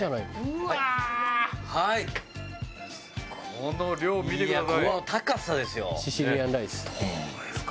この量見てください。